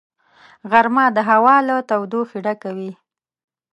غرمه د هوا له تودوخې ډکه وي